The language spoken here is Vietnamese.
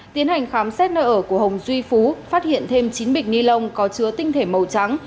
tiến hành khám xét nơi ở của hồng duy phú phát hiện thêm chín bịch ni lông có chứa tinh thể màu trắng